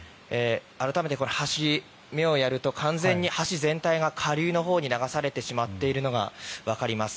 改めて橋に目をやると完全に橋全体が下流のほうに流されてしまっているのがわかります。